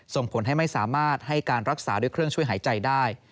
ส่งผลให้ไม่สามารถให้การรักษาด้วยเครื่องช่วยหายใจได้